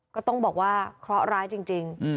ก็ต้องบอกว่าเคราะห์ร้ายจริง